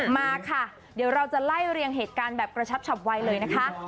มาค่ะเดี๋ยวเราจะไล่เรียงเหตุการณ์แบบกระชับฉับวัยเลยนะคะ